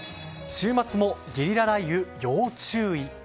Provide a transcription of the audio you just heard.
週末もゲリラ雷雨要注意。